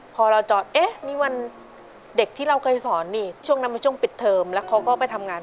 ก็ขับรถไปเติมปำัน